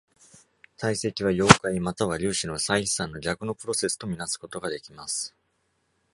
堆積は、溶解または粒子の再飛散の逆のプロセスと見なすことができます。